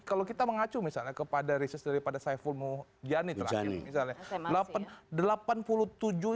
kalau kita mengacu misalnya kepada riset dari pada saiful mujani terakhir